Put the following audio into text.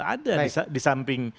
ada di samping